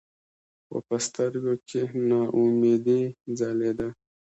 خو پۀ سترګو کښې ناامېدې ځلېده ـ